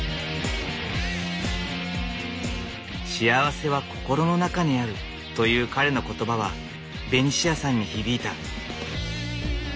「幸せは心の中にある」という彼の言葉はベニシアさんに響いた。